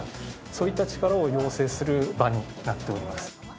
そういった力を養成する場になっております。